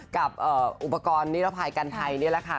กับอุปกรณ์นิรภัยกันไทยนี่แหละค่ะ